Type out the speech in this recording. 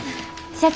社長